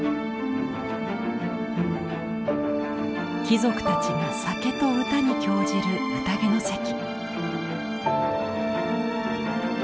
貴族たちが酒と歌に興じる宴の席。